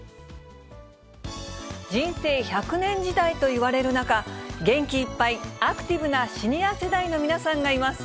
人生１００年時代といわれる中、元気いっぱい、アクティブなシニア世代の皆さんがいます。